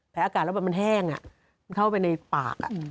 แผลอากาศแล้วมันแห้งอ่ะเข้าไปในปากอ่ะ